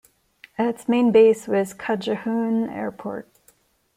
Its main base was Cadjehoun Airport.